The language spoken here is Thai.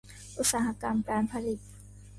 อุตสาหกรรมการผลิต